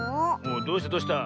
どうしたどうした？